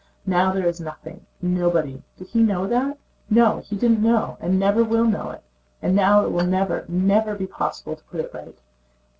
Now there is nothing... nobody. Did he know that? No, he did not and never will know it. And now it will never, never be possible to put it right."